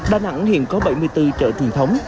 đà nẵng hiện có bảy mươi bốn chợ truyền thống